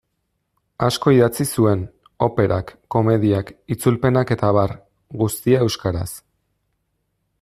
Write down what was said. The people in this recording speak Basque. Asko idatzi zuen: operak, komediak, itzulpenak eta abar, guztia euskaraz.